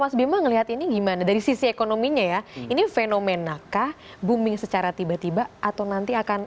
mas bima ngelihat ini gimana dari sisi ekonominya ya ini fenomenakah booming secara tiba tiba atau nanti akan